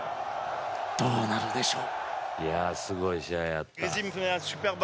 どうなるでしょう。